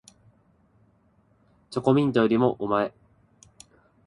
チョコミントよりもおまえ